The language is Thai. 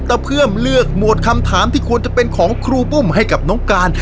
เพื่อมเลือกโหมดคำถามที่ควรจะเป็นของครูปุ้มให้กับน้องการ